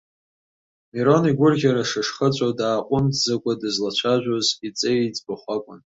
Мирон игәырӷьара хышхыҵәо, дааҟәымҵӡакәа дызлацәажәоз иҵеи иӡбахә акәын.